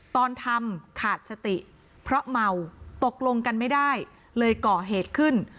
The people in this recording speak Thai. ตอนทำขาดสติเพราะเมาตกลงกันไม่ได้เลยก่อเหตุขึ้น